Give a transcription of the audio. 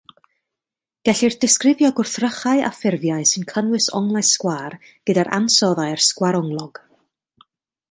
Gellir disgrifio gwrthrychau a ffurfiau sy'n cynnwys onglau sgwâr gyda'r ansoddair sgwaronglog.